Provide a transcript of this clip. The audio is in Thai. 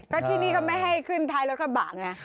ที่นี่เขาไม่ให้ขึ้นท้ายรถข้าบาลไง